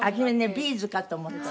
ビーズかと思ってた。